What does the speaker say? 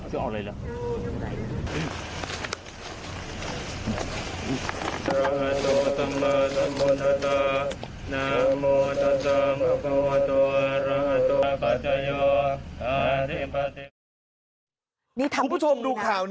เอาเสื้อออกเลยเหรอ